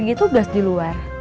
nyanyi tugas di luar